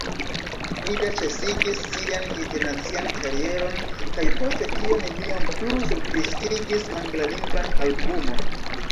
Frida ĉesigis sian internacian karieron kaj post tio neniam plu surdiskigis anglalingvan albumon.